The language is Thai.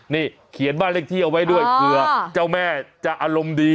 นี่เขียนบ้านเลขที่เอาไว้ด้วยเผื่อเจ้าแม่จะอารมณ์ดี